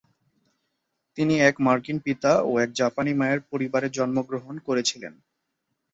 তিনি এক মার্কিন পিতা ও এক জাপানি মায়ের পরিবারে জন্মগ্রহণ করেছিলেন।